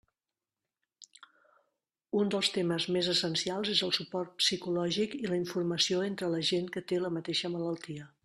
Un dels temes més essencials és el suport psicològic i la informació entre la gent que té la mateixa malaltia.